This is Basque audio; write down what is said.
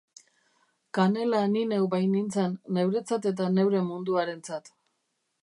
Kanela ni neu bainintzen, neuretzat eta neure munduarentzat.